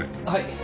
はい。